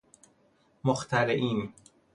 مخترعین